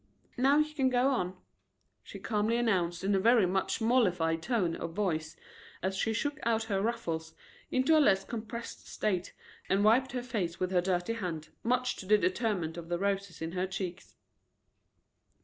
"Now you can go on," she calmly announced, in a very much mollified tone of voice as she shook out her ruffles into a less compressed state and wiped her face with her dirty hand, much to the detriment of the roses in her cheeks.